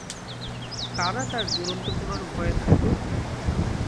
কারা তার দুরন্তপনার ভয়ে থাকতো?